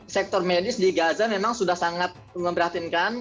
sektor medis di gaza memang sudah sangat memprihatinkan